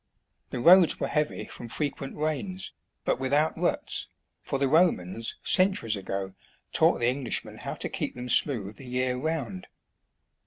The roads were heavy from frequent rains, but without ruts, for the Romans, centuries ago, taught the Englishmen how to keep them smooth the year round.